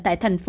tại thành phố